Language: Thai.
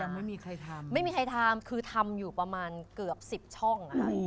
ยังไม่มีใครทำไม่มีใครทำคือทำอยู่ประมาณเกือบสิบช่องนะครับ